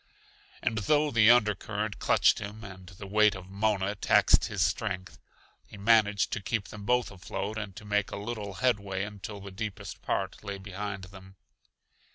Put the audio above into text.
And though the under current clutched him and the weight of Mona taxed his strength, he managed to keep them both afloat and to make a little headway until the deepest part lay behind them.